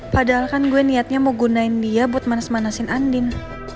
padahal kan gue niatnya mau gunain dia buat manas manasin andin